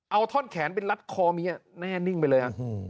เอาท่อนแขนไปรัดคอเมียแน่นิ่งไปเลย